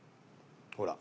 ほら。